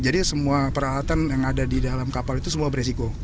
jadi semua peralatan yang ada di dalam kapal itu semua beresiko